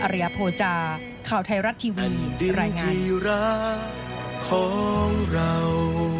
อริยโภจาข่าวไทยรัตทีวีรายงาน